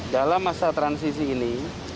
dalam masa transisi ini